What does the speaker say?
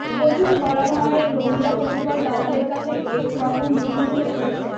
বৈঠকে বলা হয়, রোগীরা কতিপয় দালালের কাছে একরকম জিম্মি হয়ে পড়েছে।